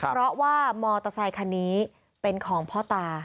เพราะว่ามอเตอร์ไซคันนี้เป็นของพ่อตา